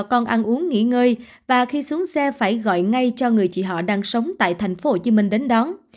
bà con ăn uống nghỉ ngơi và khi xuống xe phải gọi ngay cho người chị họ đang sống tại tp hcm đến đón